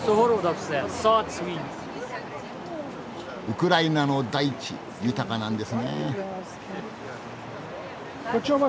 ウクライナの大地豊かなんですねえ。